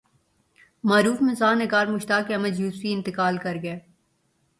معروف مزاح نگار مشتاق احمد یوسفی انتقال کرگئے